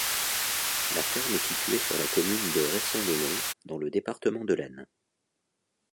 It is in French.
La ferme est située sur la commune de Ressons-le-Long, dans le département de l'Aisne.